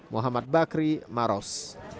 muhammad bakri maros